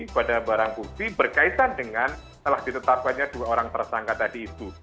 kepada barang bukti berkaitan dengan telah ditetapkannya dua orang tersangka tadi itu